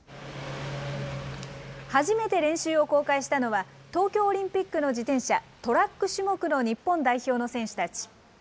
初めて練習を公開したのは、東京オリンピックの自転車、トラック種目の日本代表の選手たち。